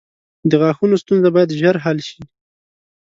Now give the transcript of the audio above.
• د غاښونو ستونزه باید ژر حل شي.